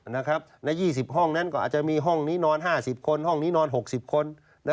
ใน๒๐ห้องนั้นก็อาจจะมีห้องนี้นอน๕๐คนห้องนี้นอน๖๐คน